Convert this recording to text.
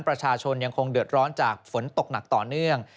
ประชาชนยังคงเดือดร้อนจากฝนตกหนักต่อเนื่อง